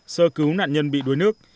sơ cứu nạn nhân bị đuối nước